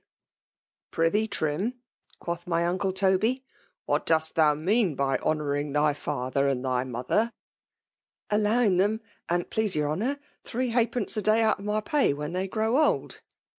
« Prythee, Trim," quoth my Uncle Toby, ^ what doit thou mean by honouring thy father and thy mother ^"^'< AUtfwing them, an't please your honoiit» three hatfpe net a^day out of my pay, when they grow old."